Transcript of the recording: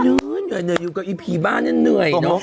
เหนื่อยอยู่กับอีผีบ้านเนี่ยเหนื่อยเนอะ